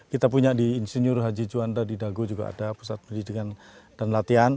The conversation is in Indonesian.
kita punya di insinyur haji juanda di dago juga ada pusat pendidikan dan latihan